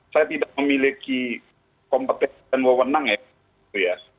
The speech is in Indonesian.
saya tidak memiliki kompetensi dan wewenang ya